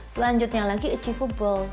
selanjutnya lagi achievable